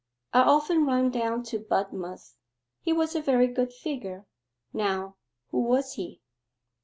I often run down to Budmouth. He was a very good figure: now who was he?